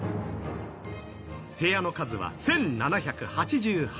部屋の数は１７８８。